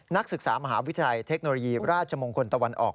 นักศึกษามหาวิทยาลัยเทคโนโลยีราชมงคลตะวันออก